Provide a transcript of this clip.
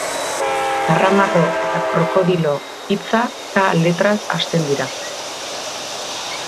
Karramarro eta krokodilo hitza ka letraz hasten dira.